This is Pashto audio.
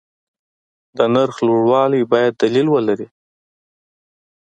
د نرخ لوړوالی باید دلیل ولري.